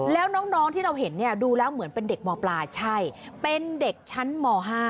แล้วน้องที่เราเห็นเนี่ยดูแล้วเหมือนเป็นเด็กมปลาใช่เป็นเด็กชั้นม๕